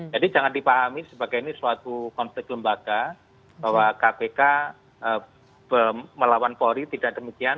jadi jangan dipahami sebagai ini suatu konflik lembaga bahwa kpk melawan polri tidak demikian